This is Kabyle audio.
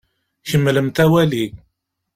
Kemmlemt awali!